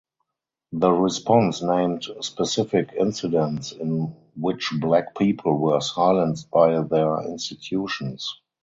The response named specific incidents in which Black people were silenced by their institutions.